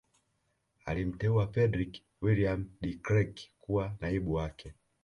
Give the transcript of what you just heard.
Alimteua Fredrick Willeum De Krelk kuwa naibu wake